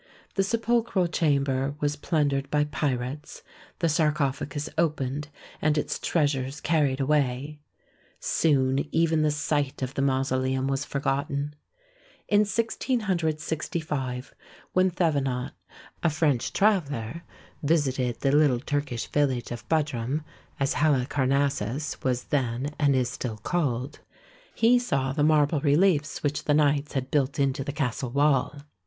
The sepulchral chamber was plundered by pirates, the sarcophagus opened, and its treasures carried away. Soon even the site of the mausoleum was forgotten. In 1665, when Thevenot, a French traveller, visited the little Turkish village of Budrum, as Halicarnassus was then and is still called, he saw the marble reliefs which the knights had built into the castle wall.